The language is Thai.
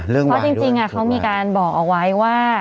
เพราะจริงเขามีการบอกเอาไว้ว่า